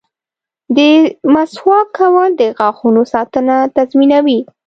• د مسواک کول د غاښونو ساتنه تضمینوي.